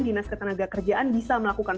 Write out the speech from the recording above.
dinas ketenagakerjaan bisa melakukan